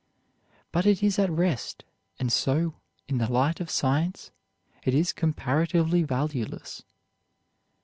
But it is at rest, and so, in the light of science, it is comparatively valueless.